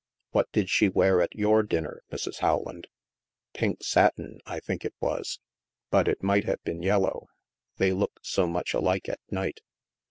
What did she wear at your dinner, Mrs. Rowland?" " Pink satin, I think it was ; but it might have been yellow. They look so much alike at night."